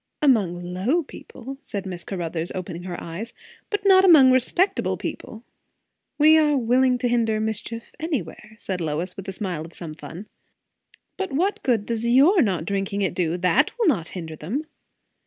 "Among low people," said Miss Caruthers, opening her eyes; "but not among respectable people." "We are willing to hinder mischief anywhere," said Lois with a smile of some fun. "But what good does your not drinking it do? That will not hinder them."